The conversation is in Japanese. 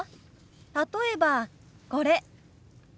例えばこれ。